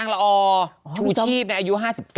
ละอชูชีพอายุ๕๙